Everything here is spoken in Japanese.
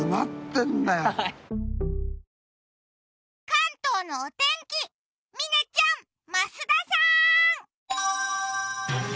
関東のお天気、嶺ちゃん、増田さん！